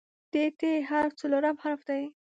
د "ت" حرف څلورم حرف دی.